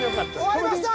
終わりました。